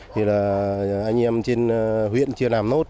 thì là anh em trên huyện chưa làm nốt